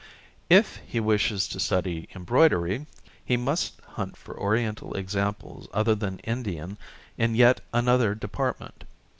If he wishes to study embroidery, he must hunt for Oriental examples other than Indian in yet another depart ment.